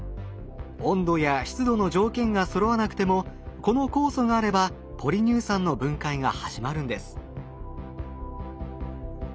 温度や湿度の条件がそろわなくてもこの酵素があればポリ乳酸の分解が始まるんです。